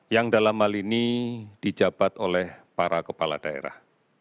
yang dalam hal ini dijabat oleh para kepala daerah